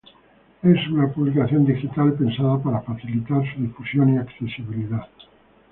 Es una publicación digital pensada para facilitar su difusión y accesibilidad.